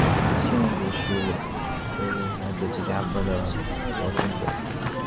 现任主席为来自芝加哥的罗森博格。